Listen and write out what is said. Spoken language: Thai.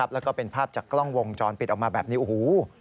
แล้วก็เป็นภาพจากกล้องวงจรปิดออกมาแบบนี้โอ้โห